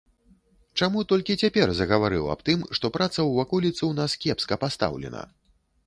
Чаму толькі цяпер загаварыў аб тым, што праца ў ваколіцы ў нас кепска пастаўлена?